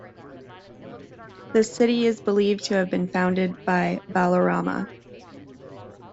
The city is believed to have been founded by Balarama.